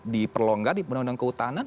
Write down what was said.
di perlonggar di undang undang kehutanan